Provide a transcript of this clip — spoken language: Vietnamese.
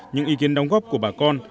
những ý kiến đóng góp của bà con